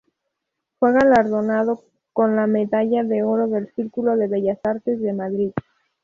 Fue galardonado con la medalla de oro del Círculo de Bellas Artes de Madrid.